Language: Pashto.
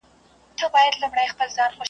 شرنګاشرنګ به د رباب او د پایل وي .